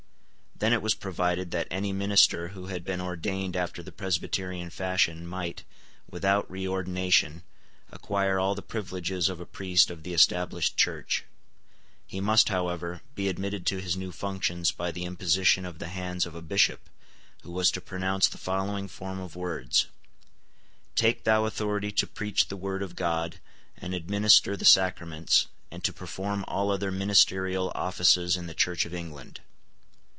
Then it was provided that any minister who had been ordained after the Presbyterian fashion might, without reordination, acquire all the privileges of a priest of the Established Church. He must, however, be admitted to his new functions by the imposition of the hands of a bishop, who was to pronounce the following form of words; "Take thou authority to preach the word of God, and administer the sacraments, and to perform all other ministerial offices in the Church of England."